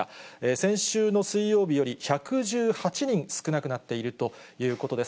先週の水曜日より１１８人少なくなっているということです。